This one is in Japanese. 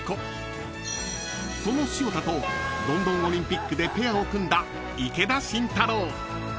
［その潮田とロンドンオリンピックでペアを組んだ池田信太郎］